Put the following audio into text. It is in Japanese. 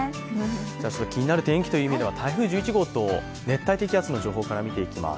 気になる天気という意味では台風１１号と熱帯低気圧の状況から見ていきます。